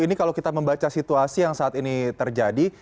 ini kalau kita membaca situasi yang saat ini terjadi